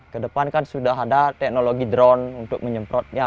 kedepan kan sudah ada teknologi drone untuk menyemprotnya